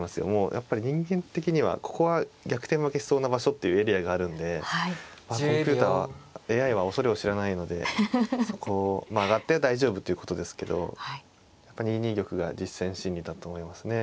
やっぱり人間的にはここは逆転負けしそうな場所っていうエリアがあるんでコンピューターＡＩは恐れを知らないのでそこ上がって大丈夫ということですけどやっぱ２二玉が実戦心理だと思いますね。